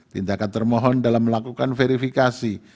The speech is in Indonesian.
tindakan termohon dalam melakukan verifikasi